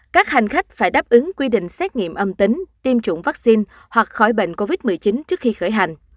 các hành khách phải đáp ứng quy định xét nghiệm âm tính tiêm chủng vaccine hoặc khỏi bệnh covid một mươi chín trước khi khởi hành